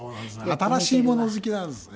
新しいもの好きなんですね。